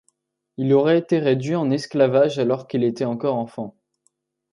Il aurait été réduit en esclavage alors qu'il était encore enfant.